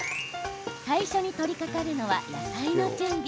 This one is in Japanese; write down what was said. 最初に取りかかるのは野菜の準備。